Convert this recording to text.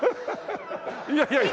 いやいやいや。